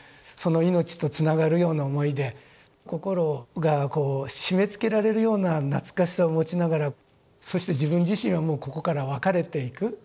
その命とつながるような思いで心がこう締めつけられるような懐かしさを持ちながらそして自分自身はもうここから別れていく。